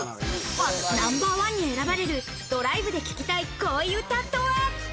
ナンバーワンに選ばれるドライブで聴きたい恋うたとは？